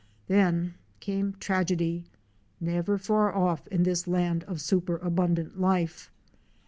Then came tragedy — never far off in this land of superabundant life.